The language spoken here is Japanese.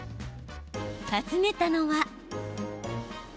訪ねたのは。